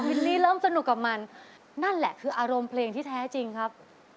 ลี่เริ่มสนุกกับมันนั่นแหละคืออารมณ์เพลงที่แท้จริงครับ